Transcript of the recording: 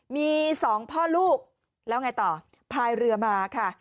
มี๒พ่อลูกแล้วไงต่อพายเรือมาค่ะ